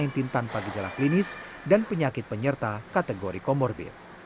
tanpa gejala klinis dan penyakit penyerta kategori komorbid